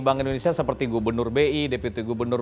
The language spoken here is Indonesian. indonesia seperti gubernur bi deputi gubernur